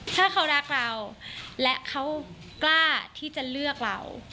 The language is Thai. ถ้าเขารักเราและเขากล้าที่จะเลือกเรา